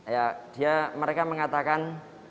ya mereka mengatakan